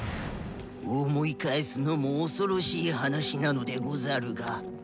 思い返すのも恐ろしい話なのでござるが。